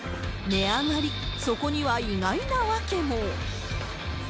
値上がり、そこには意外な訳も。